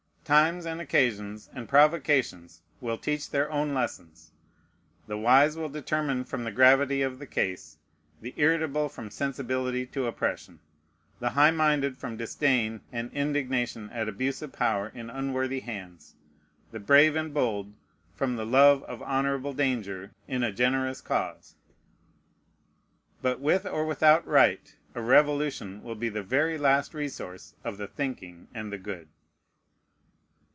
Times and occasions and provocations will teach their own lessons. The wise will determine from the gravity of the case; the irritable, from sensibility to oppression; the high minded, from disdain and indignation at abusive power in unworthy hands; the brave and bold, from the love of honorable danger in a generous cause: but, with or without right, a revolution will be the very last resource of the thinking and the good.